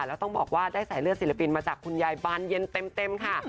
แล้วต้องบอกว่าได้สายเลือดศิลปินมาจากคุณยายบานเย็นเต็มค่ะ